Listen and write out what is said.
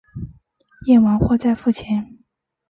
验货完再付钱